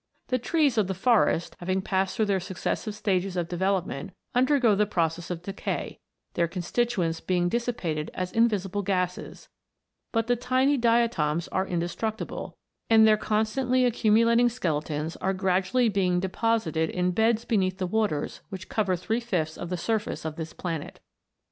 The trees of the forest, having passed through their s\iccessive stages of development, undergo the process of decay, their constituents being dissipated as invisible gases; but the tiny diatoms are indestructible, and their constantly accumulating skeletons are gradually being depo sited in beds beneath the waters which cover three fifths of the surface of this planet.